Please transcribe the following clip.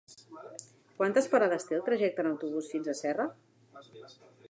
Quantes parades té el trajecte en autobús fins a Serra?